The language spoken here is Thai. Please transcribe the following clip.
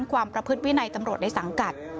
ความประพฤติวินัยตำรวจในสังกัด